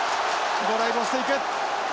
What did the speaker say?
ドライブをしていく。